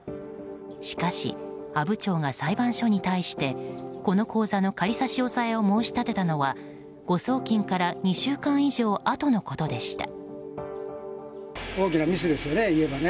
しかし、阿武町が裁判所に対してこの口座の仮差し押さえを申し立てたのは誤送金から２週間以上あとのことでした。